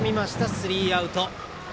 スリーアウト。